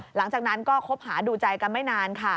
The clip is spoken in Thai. หลังจากนั้นก็คบหาดูใจกันไม่นานค่ะ